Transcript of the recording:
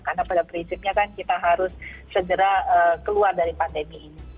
karena pada prinsipnya kan kita harus segera keluar dari pandemi ini